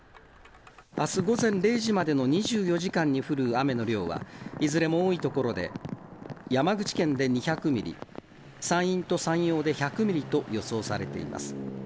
あす午前０時までの２４時間に降る雨の量は、いずれも多い所で、山口県で２００ミリ、山陰と山陽で１００ミリと予想されています。